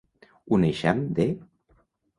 Un eixam de.